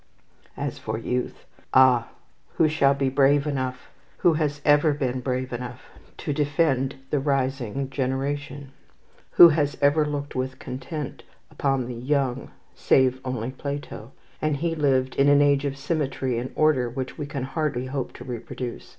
As for youth, ah, who shall be brave enough, who has ever been brave enough, to defend the rising generation? Who has ever looked with content upon the young, save only Plato, and he lived in an age of symmetry and order which we can hardly hope to reproduce.